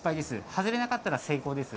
外れなかったら成功です。